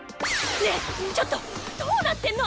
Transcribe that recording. ねえちょっとどうなってんの？